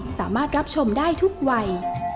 สามารถรับชมได้ทุกวัย